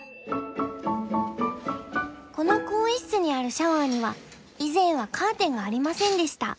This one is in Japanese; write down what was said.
この更衣室にあるシャワーには以前はカーテンがありませんでした。